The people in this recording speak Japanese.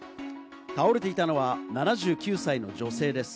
倒れていたのは７９歳の女性です。